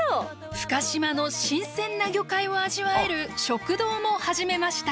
深島の新鮮な魚介を味わえる食堂も始めました。